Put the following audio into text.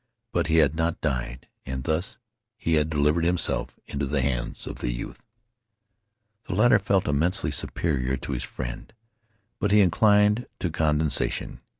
But he had not died, and thus he had delivered himself into the hands of the youth. The latter felt immensely superior to his friend, but he inclined to condescension.